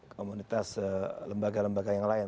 komunitas lembaga lembaga yang lain